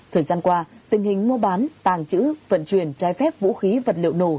thời gian qua tình hình mua bán tàng trữ vận chuyển trái phép vũ khí vật liệu nổ